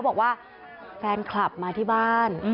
บอกว่าแฟนคลับมาที่บ้าน